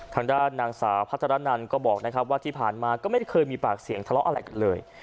ทางด้านนางสาวพัทรนันก็บอกนะครับว่าที่ผ่านมาก็ไม่ได้เคยมีปากเสียงทะเลาะอะไรกันเลย